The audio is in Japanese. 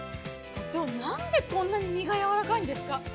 社長なんでこんなに身がやわらかいんですか？